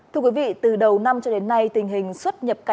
thưa quý vị từ đầu năm cho đến nay tình hình xuất nhập cảnh